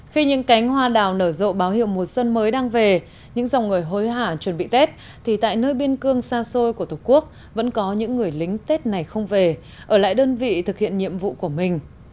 khi những cánh hoa đào nở rộ báo hiệu mùa xuân mới đang về những dòng người hối hả chuẩn bị tết thì tại nơi biên cương xa xôi của tổ quốc vẫn có những người lính tết này không về ở lại đơn vị thực hiện nhiệm vụ của mình